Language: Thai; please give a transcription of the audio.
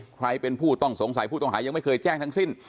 ใครเป็นผู้ต้องสงสัยผู้ต้องหายังไม่เคยแจ้งทั้งสิ้น